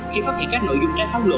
khi phát hiện các nội dung trái phát lộ